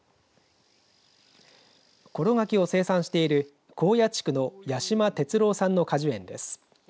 ころ柿を生産している耕野地区の八島哲郎さんの果樹園です。